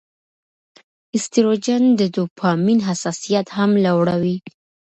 ایسټروجن د ډوپامین حساسیت هم لوړوي.